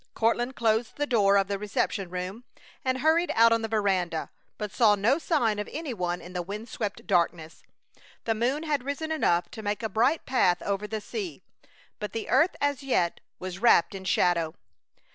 Courtland closed the door of the reception room and hurried out on the veranda, but saw no sign of any one in the wind swept darkness. The moon had risen enough to make a bright path over the sea, but the earth as yet was wrapped in shadow.